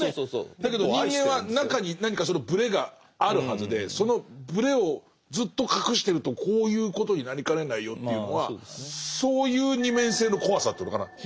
だけど人間は中にブレがあるはずでそのブレをずっと隠してるとこういうことになりかねないよというのはそういう二面性の怖さというのかな。